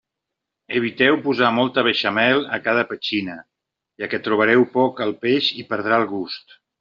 Eviteu posar molta beixamel a cada petxina, ja que trobareu poc el peix i perdrà el gust.